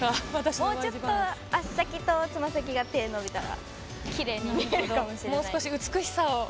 もうちょっと足先とつま先が伸びたら、きれいに見えるかもしもう少し美しさを。